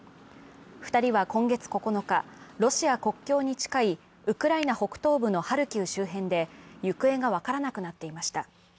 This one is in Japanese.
２人は今月９日、ロシア国境に近いウクライナ東北部のハルキウイベントで行方が分からなくなっていました。